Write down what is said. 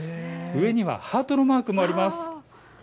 上にはハートのマークもあります。